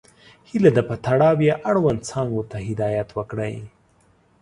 هیله ده په تړاو یې اړوند څانګو ته هدایت وکړئ.